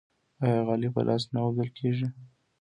آیا غالۍ په لاس نه اوبدل کیږي؟